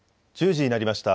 １０時になりました。